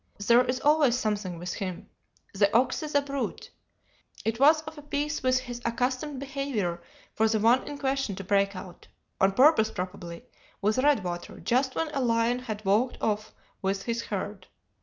There is always something with him. The ox is a brute. It was of a piece with his accustomed behaviour for the one in question to break out on purpose probably with redwater just when a lion had walked off with his herd.